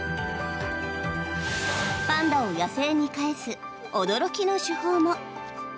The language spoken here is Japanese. パンダを野生に返す驚きの手法も。